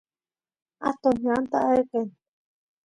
atoq ñanta ayqen